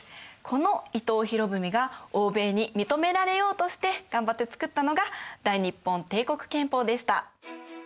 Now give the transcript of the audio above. この伊藤博文が欧米に認められようとして頑張って作ったのが大日本帝国憲法でした。